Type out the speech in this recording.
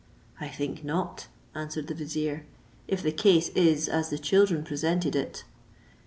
"I think not," answered the vizier, " if the case is as the children represented it."